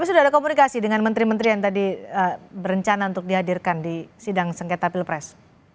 tapi sudah ada komunikasi dengan menteri menteri yang tadi berencana untuk dihadirkan di sidang sengketa pilpres